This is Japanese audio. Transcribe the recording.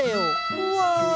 うわ。